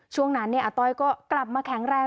ช่วงนั้นอาต้อยก็กลับมาแข็งแรง